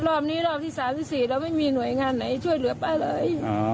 รอบนี้รอบที่๓ที่๔เราไม่มีหน่วยงานไหนช่วยเหลือป้าเลย